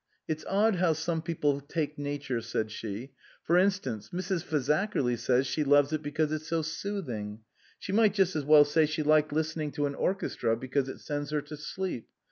" It's odd how some people take Nature," said she ;" for instance, Mrs. Fazakerly says she loves it because it's so soothing. She might just as well say she liked listening to an or chestra because it sends her to sleep.